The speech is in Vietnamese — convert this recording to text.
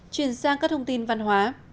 chuyển sang các thông tin văn hóa